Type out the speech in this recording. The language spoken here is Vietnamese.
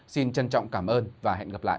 xin trân trọng cảm ơn và hẹn gặp lại